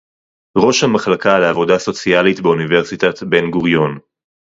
ראש המחלקה לעבודה סוציאלית באוניברסיטת בן-גוריון